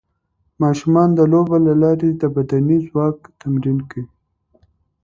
ماشومان د لوبو له لارې د بدني ځواک تمرین کوي.